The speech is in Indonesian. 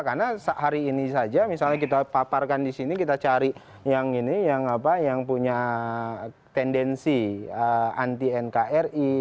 karena hari ini saja misalnya kita paparkan di sini kita cari yang ini yang apa yang punya tendensi anti nkri